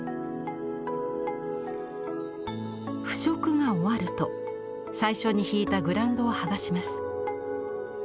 腐食が終わると最初に引いたグランドをはがします。